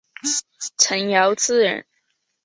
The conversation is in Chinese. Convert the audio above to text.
陈尧咨人。